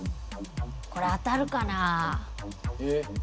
これ当たるかなあ。